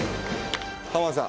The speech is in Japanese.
浜田さん。